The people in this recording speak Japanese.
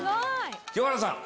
清原さん。